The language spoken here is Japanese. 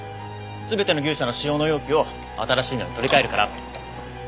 全ての牛舎の塩の容器を新しいのに取り換えるからって。